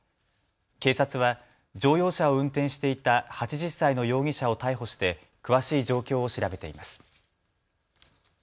警察は乗用車を運転していた８０歳の容疑者を逮捕して詳しい状況を調べています。